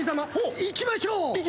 いきましょう。